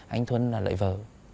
anh thuận là lợi vợ